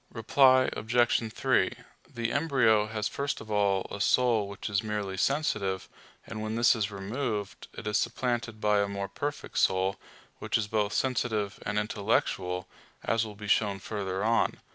Reply Obj. 3: The embryo has first of all a soul which is merely sensitive, and when this is removed, it is supplanted by a more perfect soul, which is both sensitive and intellectual: as will be shown further on (Q.